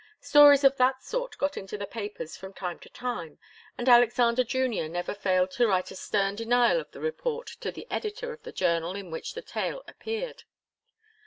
Stories of that sort got into the papers from time to time, and Alexander Junior never failed to write a stern denial of the report to the editor of the journal in which the tale appeared.